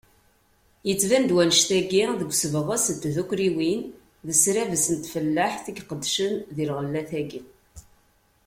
Yettban-d wannect-agi, deg usebɣes n tddukkliwin d ssrabes n tfellaḥt i iqeddcen deg lɣellat-agi.